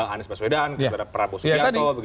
anies baswedan terhadap prabowo subiako